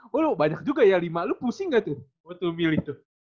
waduh banyak juga ya lima lu pusing nggak tuh